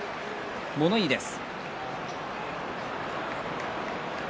物言いです。